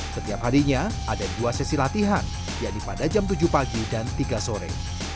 setiap harinya ada dua sesi latihan yaitu pada jam tujuh pagi dan tiga sore